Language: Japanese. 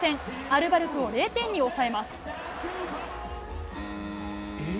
アルバルクを０点に抑えます。